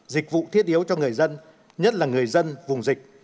dịch vụ thiết yếu cho người dân nhất là người dân vùng dịch